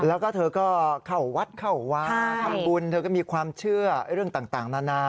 แล้วก็เธอก็เข้าวัดเข้าวาทำบุญเธอก็มีความเชื่อเรื่องต่างนานา